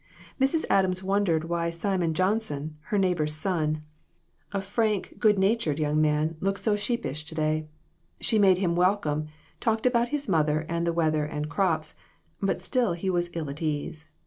Mrs. Adams wondered why Simon Johnson, her neighbor's son a frank, good natured young man PERSECUTION OF THE SAINTS. 189 looked so sheepish to day. She made him welcome, talked about his mother and the weather and crops, but still he was ill at ease.